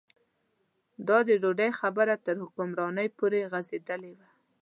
دا د ډوډۍ خبره تر حکمرانۍ پورې غځېدلې وه.